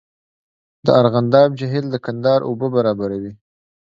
د ارغنداب جهیل د کندهار اوبه برابروي